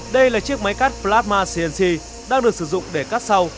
đây là chiếc máy cắt plasma cnc đang được sử dụng để cắt sâu